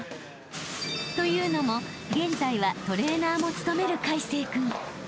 というのも現在はトレーナーも務める魁成君］